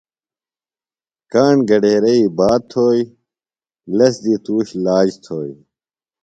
کاݨ گھڈیرئی بات تھوئیۡ، لس دی تُوش لاج تھوئیۡ